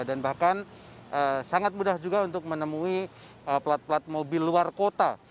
dan bahkan sangat mudah juga untuk menemui plat plat mobil luar kota